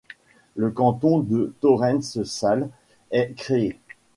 Le canton de Thorens-Sales est créé.